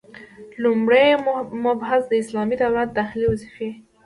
لومړی مبحث: د اسلامي دولت داخلي وظيفي: